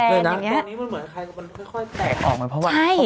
ตอนนี้มันเหมือนใครมันค่อยแตกออกไหม